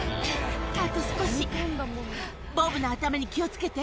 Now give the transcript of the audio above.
あと少しボブの頭に気を付けて。